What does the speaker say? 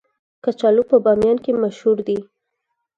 کچالو په بامیان کې مشهور دي